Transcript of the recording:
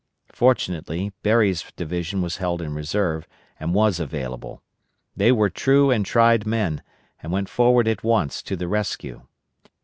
Fortunately, Berry's division was held in reserve, and was available. They were true and tried men, and went forward at once to the rescue.